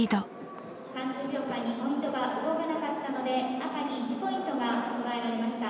「３０秒間にポイントが動かなかったので赤に１ポイントが加えられました。